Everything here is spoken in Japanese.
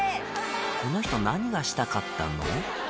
この人何がしたかったの？